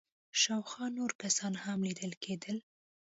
شاوخوا نور کسان هم ليدل کېدل.